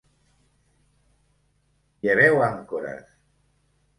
Lleveu àncores!